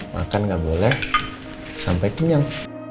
makan nggak boleh sampai kenyang